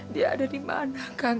dia ada dimana kang